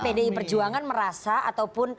pdi perjuangan merasa ataupun